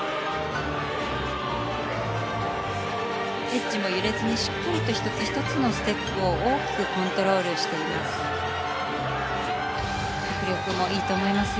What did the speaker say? エッジも揺れずにしっかりと１つ１つステップを大きくコントロールしています。